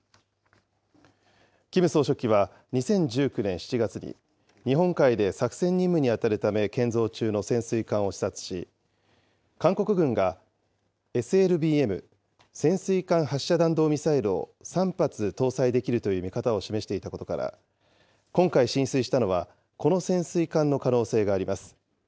キム総書記は、２０１９年７月に、日本海で作戦任務に当たるため建造中の潜水艦を視察し、韓国軍がＳＬＢＭ・潜水艦発射弾道ミサイルを３発搭載できるという見方を示していたことから、今回進水したのはこの潜水艦の可能性があります。